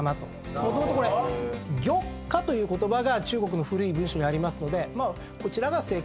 もともとこれ玉瑕という言葉が中国の古い文章にありますのでこちらが正解じゃないかと。